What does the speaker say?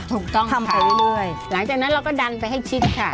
ถูกต้องทำไปเรื่อยหลังจากนั้นเราก็ดันไปให้ชิดค่ะ